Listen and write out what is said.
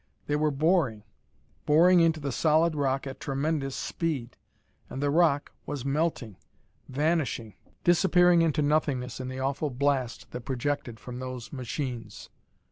They were boring; boring into the solid rock at tremendous speed. _And the rock was melting, vanishing, disappearing into nothingness in the awful blast projected from those machines!